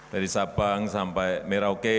dari sabang sampai merauke